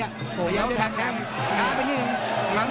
โอ้โหแล้วทางแชมป์ช้าไปหนึ่ง